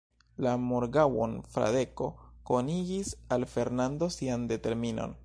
La morgaŭon, Fradeko konigis al Fernando sian determinon.